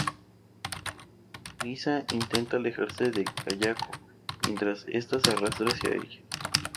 Lisa intenta alejarse de Kayako mientras esta se arrastra hacia ella.